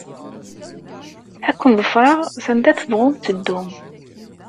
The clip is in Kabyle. Ad ken-ḍefreɣ, sanda tebɣum teddum.